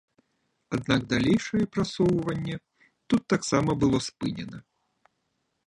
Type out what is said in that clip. Аднак далейшае прасоўванне тут таксама было спынена.